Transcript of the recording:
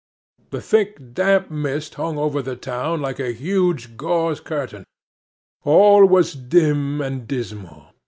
The thick damp mist hung over the town like a huge gauze curtain. All was dim and dismal.